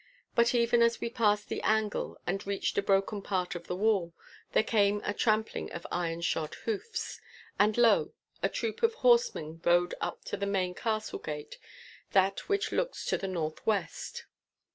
But even as we passed the angle and reached a broken part of the wall, there came a trampling of iron shod hoofs. And lo! a troop of horsemen rode up to the main castle gate, that which looks to the north west.